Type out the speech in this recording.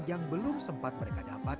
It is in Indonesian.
yang belum sempat mereka dapat